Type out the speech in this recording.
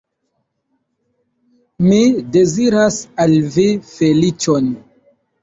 Mi deziras al vi feliĉon.